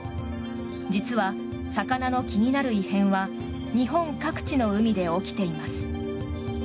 実は、魚の気になる異変は日本各地の海で起きています。